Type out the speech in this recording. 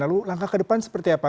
lalu langkah ke depan seperti apa